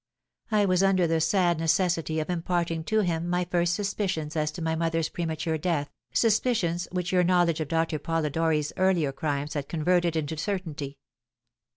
I was under the sad necessity of imparting to him my first suspicions as to my mother's premature death, suspicions which your knowledge of Doctor Polidori's earlier crimes had converted into certainty.